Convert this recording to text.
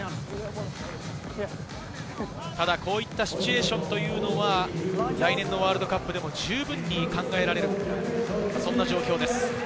ただ、こういったシチュエーションというのは、来年のワールドカップでもじゅうぶんに考えられる、そんな状況です。